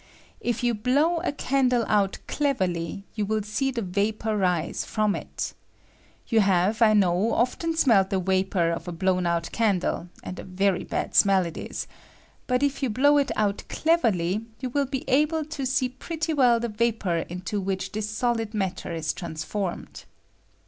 If you blow a can f die out cleverly, you wiU see the vapor rise I fiom it. You have, I know, often smelt the I Tapor of a blown out candle, and a very bad I it ia ; but if you blow it out cleverly, you will be able to see pretty well the vapor into which this solid matter ia transformed.